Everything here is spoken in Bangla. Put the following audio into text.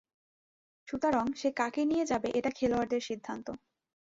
সুতরাং সে কাকে নিয়ে যাবে, এটা খেলোয়াড়দের সিদ্ধান্ত।